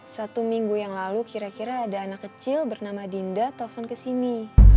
satu minggu yang lalu kira kira ada anak kecil bernama dinda telpon ke sini